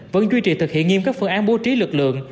vẫn duy trì thực hiện nghiêm các phương án bố trí lực lượng